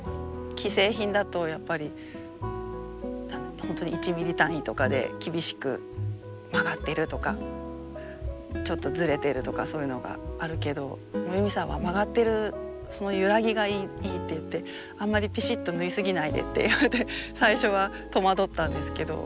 既製品だとやっぱり本当に１ｍｍ単位とかで厳しく「曲がってる」とか「ちょっとずれてる」とかそういうのがあるけどユミさんは「曲がってるその揺らぎがいい」って言って「あんまりぴしっと縫い過ぎないで」って言われて最初は戸惑ったんですけど。